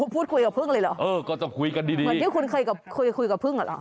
พูดคุยกับภึ้งเลยเหรอคุณเคยคุยกับภึ้งหรอ